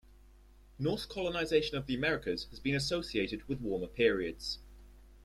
Norse colonization of the Americas has been associated with warmer periods.